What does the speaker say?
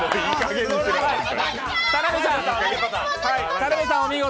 田辺さん、お見事。